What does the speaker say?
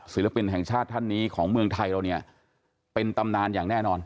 ศิลปินแห่งชาติท่านนี้ของเมืองไทยเราเนี่ยเป็นตำนานอย่างแน่นอน